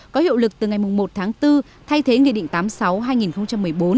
có hiệu lực từ ngày một tháng bốn thay thế nghị định tám mươi sáu hai nghìn một mươi bốn